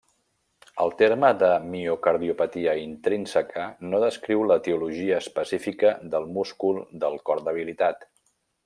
El terme de miocardiopatia intrínseca no descriu l'etiologia específica del múscul del cor debilitat.